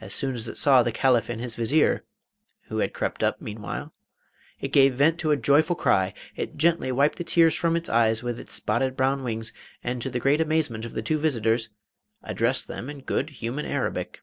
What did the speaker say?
As soon as it saw the Caliph and his Vizier who had crept up meanwhile it gave vent to a joyful cry. It gently wiped the tears from its eyes with its spotted brown wings, and to the great amazement of the two visitors, addressed them in good human Arabic.